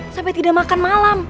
sampai tidak makan malam